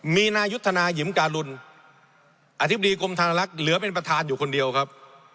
มีนายุทธนายิมการุลอธิบดีกรมธนลักษณ์เหลือเป็นประธานอยู่คนเดียวครับ